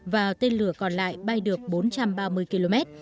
và tên lửa còn lại bay được bốn trăm ba mươi km